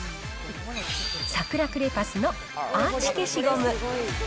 サクラクレパスのアーチ消しゴム。